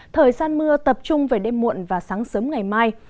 thời gian mưa tập trung về đêm muộn và sáng sớm ngày mai